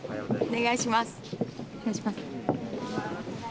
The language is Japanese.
お願いします。